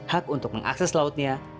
hak untuk mengakses lautnya